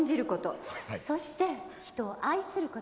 そして人を愛すること。